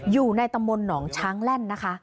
อยู่ในตำบลหนองช้างแล่นนะคะ